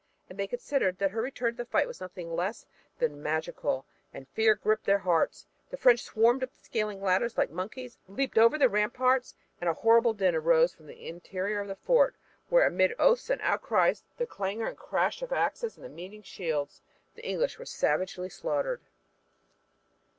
And they considered that her return to the fight was nothing less than magical and fear gripped their hearts. Then the French swarmed up the scaling ladders like monkeys, leaped over the ramparts, and a horrible din arose from the interior of the fort, where, amid oaths and outcries and the clangor and crash of axes and meeting shields, the English were savagely slaughtered.